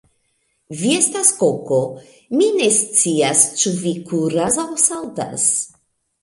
Vi estas koko mi ne scias, ĉu vi kuras aŭ saltas